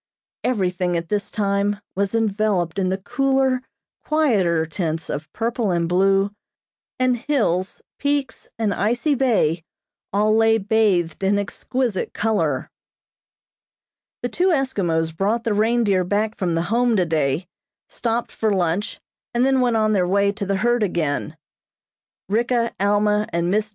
Everything, at this time, was enveloped in the cooler, quieter tints of purple and blue, and hills, peaks, and icy bay all lay bathed in exquisite color. The two Eskimos brought the reindeer back from the Home today, stopped for lunch, and then went on their way to the herd again. Ricka, Alma and Miss J.